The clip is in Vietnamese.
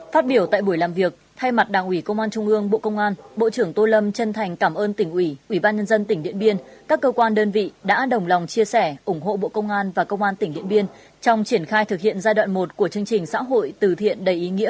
phát biểu tại buổi làm việc thay mặt đảng ủy công an trung ương bộ công an bộ trưởng tô lâm chân thành cảm ơn tỉnh ủy ủy ban nhân dân tỉnh điện biên các cơ quan đơn vị đã đồng lòng chia sẻ ủng hộ bộ công an và công an tỉnh điện biên trong triển khai thực hiện giai đoạn một của chương trình xã hội từ thiện đầy ý nghĩa